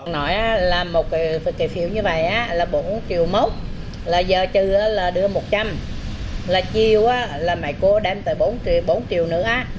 nói là một cái phiếu như vậy là bốn triệu mốc là giờ trừ là đưa một trăm linh là chiêu là mấy cô đem tới bốn triệu nữa